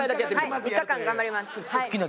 はい３日間頑張ります